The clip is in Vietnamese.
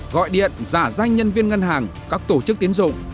gọi điện giả danh nhân viên ngân hàng các tổ chức tiến dụng